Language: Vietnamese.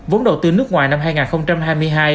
vốn đầu tư nước ngoài năm hai nghìn hai mươi hai